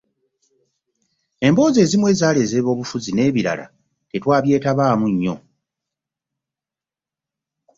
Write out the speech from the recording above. Emboozi ezimu ezaali ez'ebyobufuzi n'ebirala tetwagyetabaamu nnyo.